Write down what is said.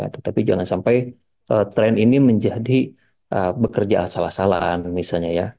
tetapi jangan sampai tren ini menjadi bekerja asal asalan misalnya ya